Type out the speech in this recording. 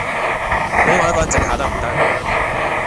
比我一個人靜下得唔得